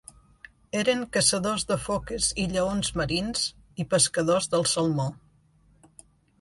Eren caçadors de foques i lleons marins i pescadors del salmó.